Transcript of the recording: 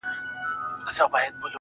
گراني رڼا مه كوه مړ به مي كړې,